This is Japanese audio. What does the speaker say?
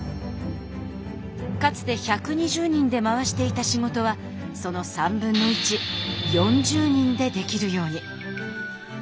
かつて１２０人で回していた仕事はその３分の１４０人でできるように。